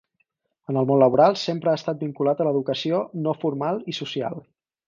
En el món laboral sempre ha estat vinculat a l'educació no formal i social.